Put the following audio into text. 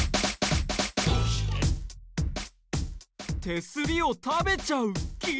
手すりを食べちゃう木？